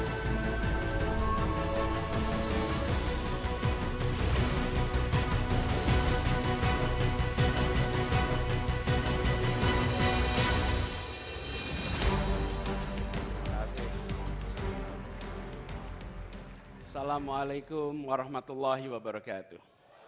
assalamualaikum warahmatullahi wabarakatuh